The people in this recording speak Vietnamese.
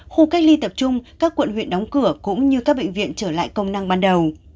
khu cách ly tập trung các quận huyện đóng cửa cũng như các bệnh viện trở lại công năng ban đầu